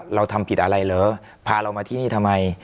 เราทำผิดอะไรเหรอพาเรามาที่นี่ทำไม